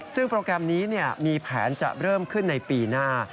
ซึ่งโปรแกรมนี้มีแผนจะเริ่มขึ้นในปีหน้า